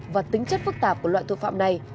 và tính chất phức tạp của loại tội phạm này